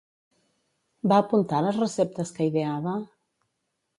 Va apuntar les receptes que ideava?